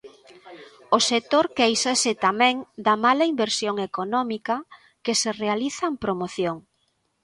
O sector quéixase tamén da mala inversión económica que se realiza en promoción.